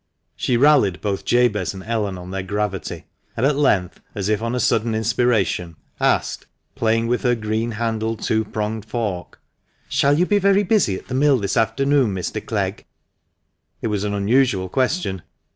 She rallied both Jabez and Ellen on their gravity, and at length, as if on a sudden inspiration, asked, playing with her green handled, two pronged fork —" Shall you be very busy at the mill this afternoon, Mr. Clegg?" It was an unusual question.